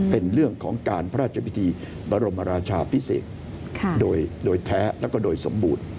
เป็นเรื่องของการพระราชพิธีบรมราชาพิเศษโดยแท้แล้วก็โดยสมบูรณ์